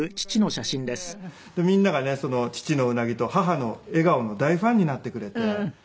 みんながね父のウナギと母の笑顔の大ファンになってくれて。